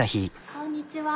こんにちは。